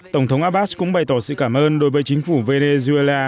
tổng thống abbas cũng bày tỏ sự cảm ơn đối với chính phủ venezuela